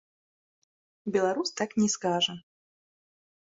Беларус так не скажа.